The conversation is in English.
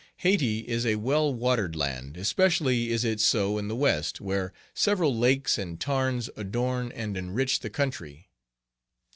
Hayti is a well watered land; especially is it so in the west, where several lakes and tarns adorn and enrich the country.